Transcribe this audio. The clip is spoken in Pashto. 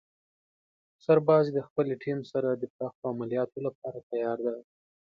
سرباز د خپلې ټیم سره د پراخو عملیاتو لپاره تیار دی.